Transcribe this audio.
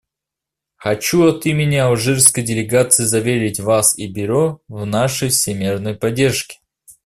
Хочу от имени алжирской делегации заверить Вас и Бюро в нашей всемерной поддержке.